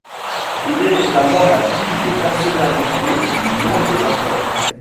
Il est notamment la plume de personnalités du monde des affaires.